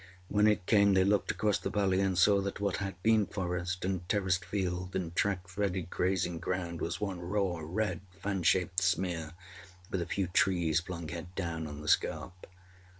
When it came they looked across the valley and saw that what had been forest, and terraced field, and track threaded grazing ground was one raw, red, fan shaped smear, with a few trees flung head down on the scarp.